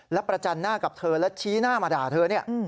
แล้วประจันทร์หน้ากับเธอแล้วชี้หน้ามาด่าเธอ